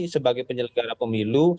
sebagai penyelenggara pemilu